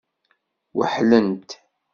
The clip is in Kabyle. Weḥlent.